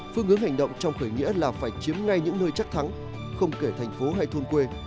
phương hướng hành động trong khởi nghĩa là phải chiếm ngay những nơi chắc thắng không kể thành phố hay thôn quê